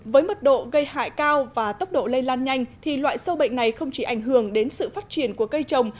với mật độ gây hại cao và tốc độ lây lan nhanh thì loại sâu bệnh này không chỉ ảnh hưởng đến sự phát triển của cây trồng